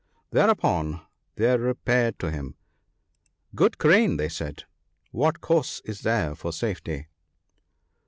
Thereupon they repaired to him : 'Good Crane, 'they said, ' what course is there for safety